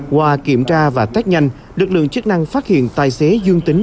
qua kiểm tra và test nhanh lực lượng chức năng phát hiện tài xế dương tính